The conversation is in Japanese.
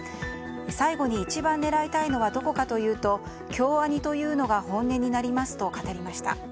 最後に一番狙いたいのはどこかというと京アニというのが本音になりますと語りました。